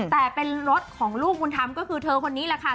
แต่เป็นรถของลูกบุญธรรมก็คือเธอคนนี้แหละค่ะ